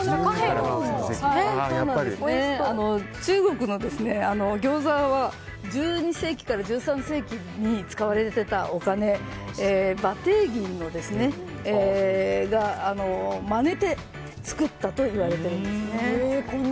中国のギョーザは１２世紀から１３世紀に使われていたお金、馬てい銀にまねて作ったといわれているんですね。